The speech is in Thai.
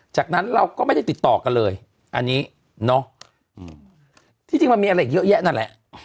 จากนั้นเราก็ไม่ได้ติดต่อกันเลยอันนี้เนาะที่จริงมันมีอะไรอีกเยอะแยะนั่นแหละ